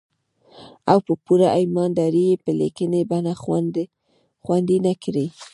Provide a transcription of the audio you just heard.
او په پوره ايمان دارۍ يې په ليکني بنه خوندي نه کړي.